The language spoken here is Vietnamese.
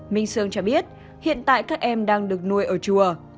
minh sương cho biết hiện tại các em đang được nuôi ở chùa